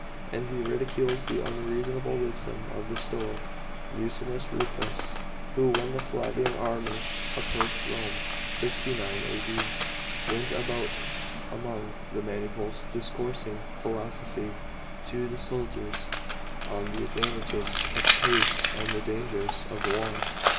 and he ridicules the "unseasonable wisdom" of the Stoic, Musonius Rufus, who when the Flavian army approached Kom& (69 A.D.) went about among the maniples, discoursing philoso phically to the soldiers on the advantages of p«ace and the dangers of war.